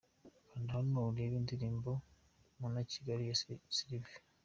Kanda Hano urebe indirimbo Muna Kigali ya Sylvizo.